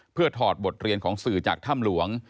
เพื่อถอดบทเรียนของสื่อจากถ้ำหลวง